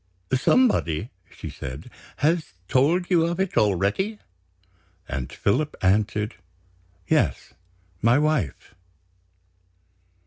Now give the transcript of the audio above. "Somebody," she said, "has told you of it already?" And Philip answered: "Yes; my wife."